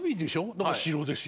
だから城ですよ。